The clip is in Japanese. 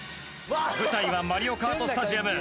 舞台はマリオカートスタジアム。